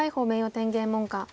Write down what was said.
天元門下。